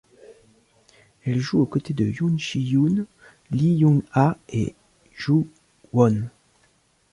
Elle joue aux côtés de Yoon Shi-yoon, Lee Young-ah et Joo Won.